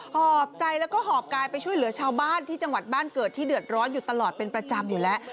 หอบใจแล้วก็หอบกายไปช่วยเหลือชาวบ้านที่จังหวัดบ้านเกิดที่เดือดร้อนอยู่ตลอดเป็นประจำอยู่แล้ว